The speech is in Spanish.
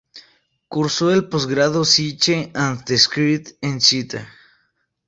Cursó el posgrado Psyche and the sacred en Sta.